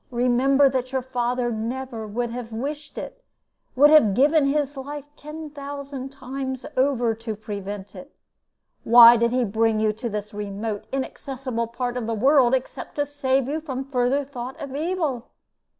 Remember that your father would never have wished it would have given his life ten thousand times over to prevent it. Why did he bring you to this remote, inaccessible part of the world except to save you from further thought of evil?